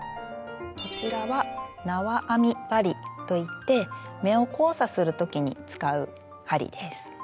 こちらはなわ編み針といって目を交差する時に使う針です。